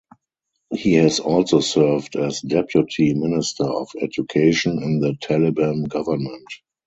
He has also served as deputy minister of education in the Taliban government.